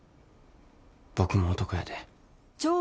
僕も男やで。